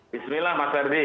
bismillah mas herdy